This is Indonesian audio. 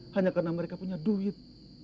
hanya karena mereka punya duit